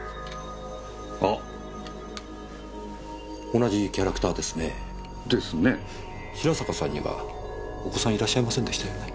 同じキャラクターですねぇ。ですね。白坂さんにはお子さんいらっしゃいませんでしたよね？